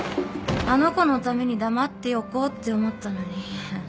あの子のために黙っておこうって思ったのに。